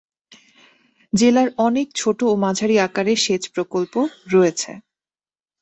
জেলার অনেক ছোট ও মাঝারি আকারের সেচ প্রকল্প রয়েছে।